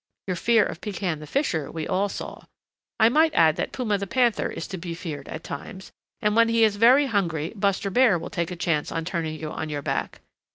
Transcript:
Your fear of Pekan the Fisher we all saw. I might add that Puma the Panther is to be feared at times, and when he is very hungry Buster Bear will take a chance on turning you on your back.